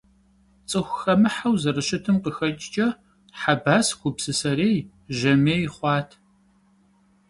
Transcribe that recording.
ЦӀыхухэмыхьэу зэрыщытым къыхэкӀкӀэ, Хьэбас гупсысэрей, жьэмей хъуат.